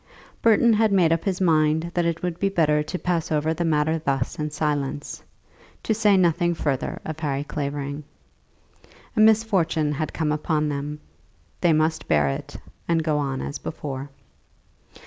Burton had made up his mind that it would be better to pass over the matter thus in silence, to say nothing further of Harry Clavering. A misfortune had come upon them. They must bear it, and go on as before.